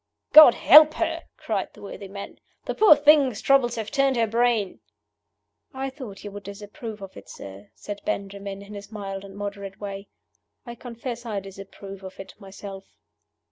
"God help her!" cried the worthy man. "The poor thing's troubles have turned her brain!" "I thought you would disapprove of it, sir," said Benjamin, in his mild and moderate way. "I confess I disapprove of it myself."